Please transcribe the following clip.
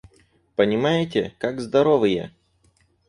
Понимаете, как здоровые!